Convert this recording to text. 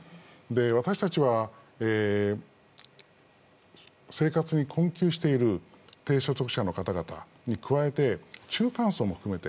私たちは、生活に困窮している低所得者の方々に加えて中間層も含めて。